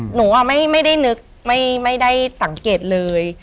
หนูไม่ได้นึกไม่ได้สังเกตเลย